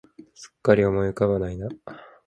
すっかり思い浮かばないな、何も頭に湧いてこないんだよ